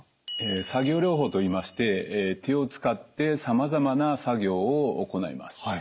作業療法といいまして手を使ってさまざまな作業を行います。